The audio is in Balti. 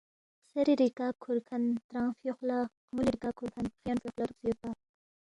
خسیری ریکاب کھُورکھن ترانگ فیوخ لہ، خمُولی ریکاب کھُورکھن خیون فیوخ لہ دُوکسے یودپا